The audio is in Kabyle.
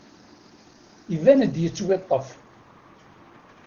Iban ad yettwiṭṭef.